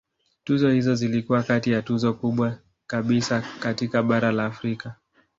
Tuzo hizo zilikuwa kati ya tuzo kubwa kabisa katika bara la Afrika.